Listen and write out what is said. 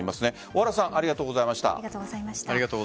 小原さんありがとうございました。